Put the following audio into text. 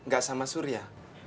gak sama surya